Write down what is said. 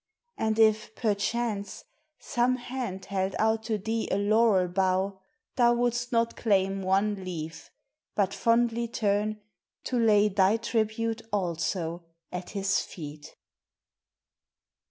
And if, perchance, Some hand held out to thee a laurel bough, Thou wouldst not claim one leaf, but fondly turn To lay thy tribute, also, at his feet.